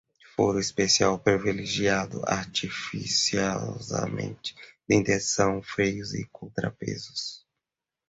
foro especial ou privilegiado, artificiosamente, detenção, freios e contrapesos